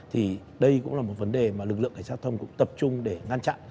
thì đây cũng là một vấn đề mà lực lượng cảnh sát giao thông cũng tập trung để ngăn chặn